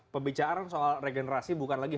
pembicaraan soal regenerasi bukan lagi